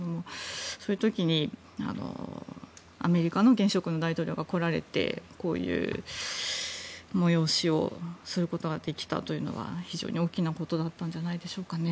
そういう時に、アメリカの現職の大統領が来られてこういう催しをすることができたというのは非常に大きなことだったんじゃないでしょうかね。